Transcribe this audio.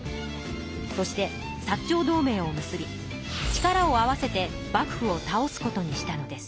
そして薩長同盟を結び力を合わせて幕府を倒すことにしたのです。